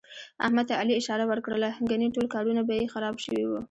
احمد ته علي اشاره ور کړله، ګني ټول کارونه به یې خراب شوي وو.